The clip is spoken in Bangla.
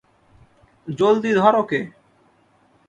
জলদি, ধর ওকে।